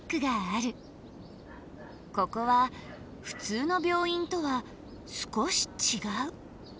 ここはふつうの病院とは少し違う。